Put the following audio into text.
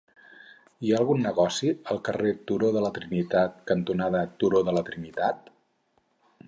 Hi ha algun negoci al carrer Turó de la Trinitat cantonada Turó de la Trinitat?